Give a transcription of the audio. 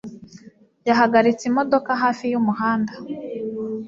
yahagaritse imodoka hafi yumuhanda